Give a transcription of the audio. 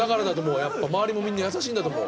周りもみんな優しいんだと思う。